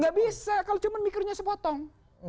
gak bisa kalau cuma mikirnya sepotong